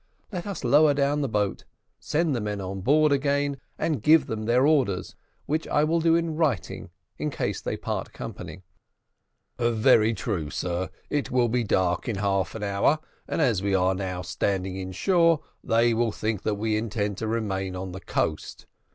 Let us lower down the boat, send the men on board again, and give them their orders which I will do in writing, in case they part company." "Very true, sir. It will be dark in half an hour, and as we are now standing inshore, they will think that we intend to remain on the coast.